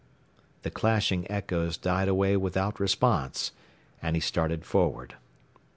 The clashing echoes died away without response, and he started forward.